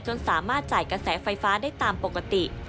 สามารถจ่ายกระแสไฟฟ้าได้ตามปกติ